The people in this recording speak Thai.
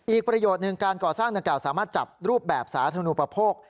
ประโยชน์หนึ่งการก่อสร้างดังกล่าสามารถจับรูปแบบสาธนูปโภค